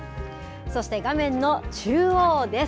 そして画面の中央です。